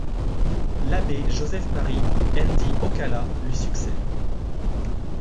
L'abbé Joseph-Marie Ndi-Okalla lui succède.